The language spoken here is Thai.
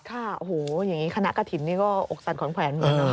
ค่ะโอ้โหอย่างนี้คณะกระถิ่นนี่ก็อกสั่นขวัญแขวนเหมือนกัน